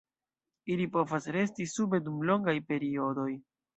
Ili povas resti sube dum longaj periodoj.